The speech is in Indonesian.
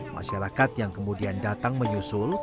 masyarakat yang kemudian datang menyusul